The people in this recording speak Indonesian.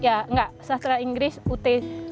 ya enggak sastra inggris ut